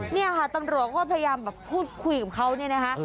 นี่ค่ะตำรวจก็พยายามแบบพูดคุยกับเขาเนี่ยนะคะ